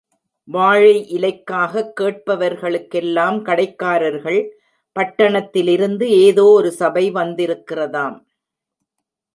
வாழை இலைக்காகக் கேட்பவர்களுக்கெல்லாம், கடைக்காரர்கள், பட்டணத்திலிருந்து ஏதோ ஒரு சபை வந்திருக்கிறதாம்.